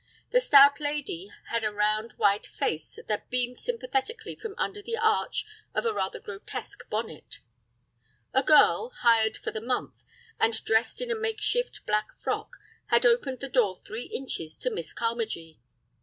The stout lady had a round white face that beamed sympathetically from under the arch of a rather grotesque bonnet. A girl, hired for the month, and dressed in a makeshift black frock, had opened the door three inches to Miss Carmagee.